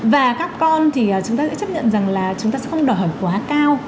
và các con thì chúng ta sẽ chấp nhận rằng là chúng ta sẽ không đòi hỏi quá cao